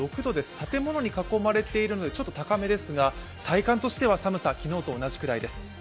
建物に囲まれているのでちょっと高めですが、体感としては寒さ、昨日と同じくらいです。